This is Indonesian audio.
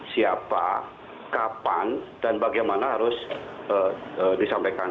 siapa kapan dan bagaimana harus disampaikan